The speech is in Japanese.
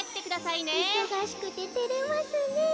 いそがしくててれますねえ。